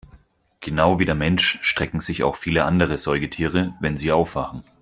Genau wie der Mensch strecken sich auch viele andere Säugetiere, wenn sie aufwachen.